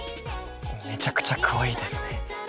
めちゃくちゃかわいいですね。